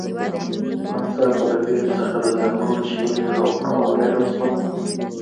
ناڅاپه له لرې څخه د ځانګړو شپېلیو غږونه واوریدل شول